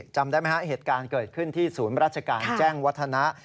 จำได้ไหมฮะเหตุการณ์เกิดขึ้นที่ศูนย์ราชการแจ้งวัฒนะ